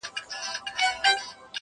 نمک خور دي له عمرونو د دبار یم.!